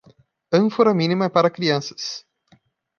Ânfora mínima é para crianças.